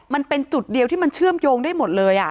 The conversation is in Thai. มันเป็นจุดเดียวที่มันเชื่อมโยงได้หมดเลย